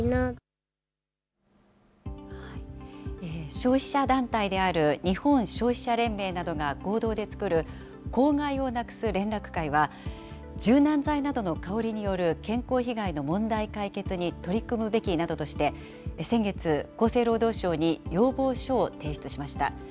消費者団体である日本消費者連盟などが合同で作る香害をなくす連絡会は、柔軟剤などの香りによる健康被害の問題解決に取り組むべきなどとして、先月、厚生労働省に要望書を提出しました。